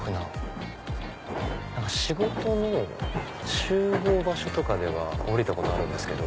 仕事の集合場所とかでは降りたことあるんですけど。